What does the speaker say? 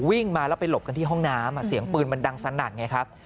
วิ่งมาแล้วไปหลบกันที่ห้องน้ำเสียงปืนมันดังสนั่นไงครับ